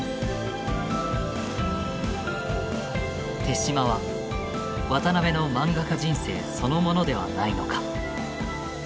手嶋は渡辺のマンガ家人生そのものではないのか。